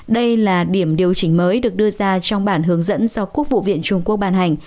đây là điểm điều chỉnh mới được đưa ra trong bản hướng dẫn do quốc vụ viện trung quốc ban hành